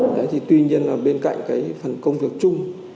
đấy thì tuy nhiên là bên cạnh cái phần công việc chung